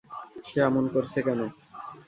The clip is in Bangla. সে এমন করছে কেন?